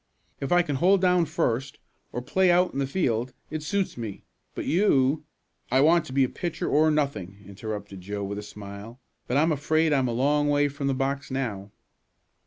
If I can hold down first, or play out in the field, it suits me; but you " "I want to be pitcher or nothing," interrupted Joe with a smile, "but I'm afraid I'm a long way from the box now."